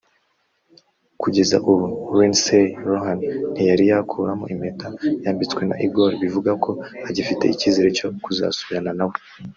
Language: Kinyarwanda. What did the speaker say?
Kugeza ubu Lindsay Lohan ntiyari yakuramo impeta yambitswe na Egor bivuga ko agifite icyizere cyo kuzasubirana nawe